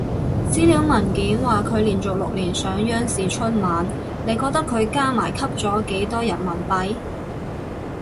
資料文件話佢連續六年上央視春晚，你覺得佢加埋吸咗幾多人民幣？